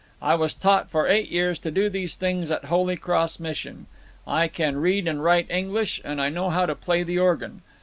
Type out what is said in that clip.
I was taught for eight years to do these things at Holy Cross Mission. I can read and write English, and I know how to play the organ.